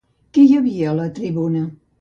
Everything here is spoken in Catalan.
Qui hi havia a la tribuna?